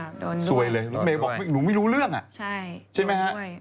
โดนด้วยโดนด้วยรถเมล์บอกหนูไม่รู้เรื่องอ่ะใช่ไหมครับ